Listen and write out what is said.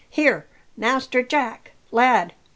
Here, Master Jack, lad!